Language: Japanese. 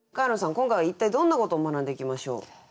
今回は一体どんなことを学んでいきましょう？